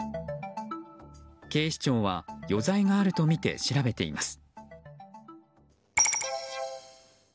警視庁は余罪があるとみて調べています。